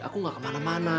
aku gak kemana mana